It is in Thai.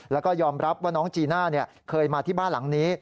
แล้วก็ยอมรับว่าน้องจีน่าเคยมาที่บ้านหลังนี้